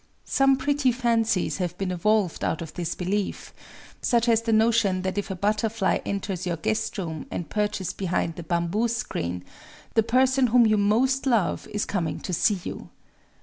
Some pretty fancies have been evolved out of this belief,—such as the notion that if a butterfly enters your guest room and perches behind the bamboo screen, the person whom you most love is coming to see you.